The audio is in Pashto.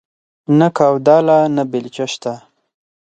نه کوداله نه بيلچه شته